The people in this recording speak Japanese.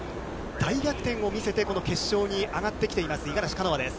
大逆転を見せて、この決勝に上がってきています、五十嵐カノアです。